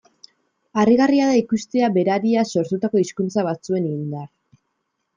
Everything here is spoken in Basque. Harrigarria da ikustea berariaz sortutako hizkuntza batzuen indarra.